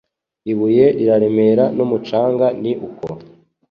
Ibuye riraremera n’umucanga ni uko